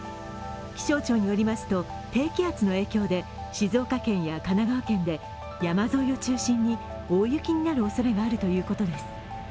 気象庁によりますと、低気圧の影響で静岡県や神奈川県で山沿いを中心に大雪になるおそれがあるということです。